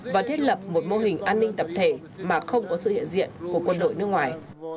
và thiết lập một mô hình an ninh tập thể mà không có sự hiện diện của quân đội nước ngoài